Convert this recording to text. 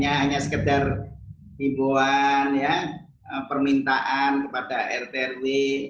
hanya sekedar himbuan permintaan kepada rtrw